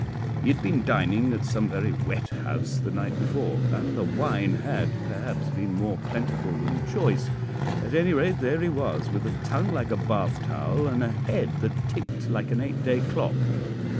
He had been dining at some very wet house the night before, and the wine had, perhaps, been more plentiful than choice; at any rate, there he was, with a tongue like a bath towel and a head that ticked like an eight day clock.